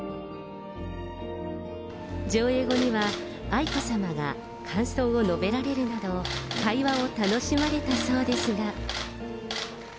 上映後には、愛子さまが感想を述べられるなど、会話を楽しまれたそうですが。